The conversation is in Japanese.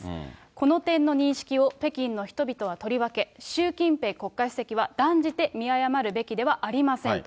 この点の認識を北京の人々はとりわけ、習近平国家主席は断じて見誤るべきではありませんと。